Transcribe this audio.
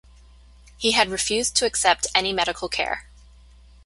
He had refused to accept any medical care.